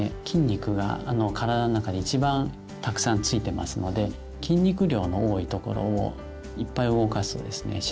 筋肉が体の中で一番たくさんついてますので筋肉量の多いところをいっぱい動かすとですね